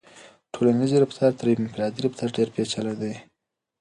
ټولنیز رفتار تر انفرادي رفتار ډېر پیچلی دی.